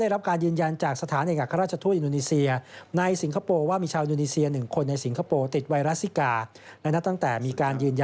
ได้รับการยืนยันจากสถานเองอักษรร